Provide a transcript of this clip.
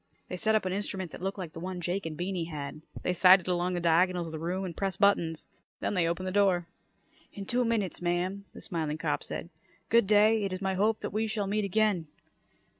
They set up an instrument that looked like the one Jake and Beany had. They sighted along the diagonals of the room and pressed buttons. Then they opened the door. "In two minutes, ma'am," the smiling cop said. "Good day. It is my hope that we shall meet again."